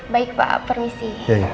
baik pak permisi